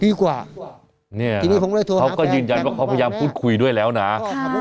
ดีกว่าเนี่ยทีนี้เขาก็ยืนยันว่าเขาพยายามพูดคุยด้วยแล้วนะครับ